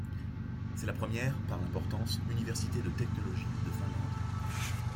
C'est la première - par l'importance - université de technologie de Finlande.